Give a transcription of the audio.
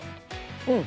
うん！